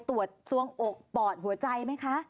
ส่วงอกปอดหัวใจไหมคะ